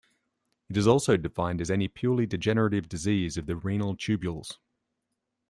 It is also defined as any purely degenerative disease of the renal tubules.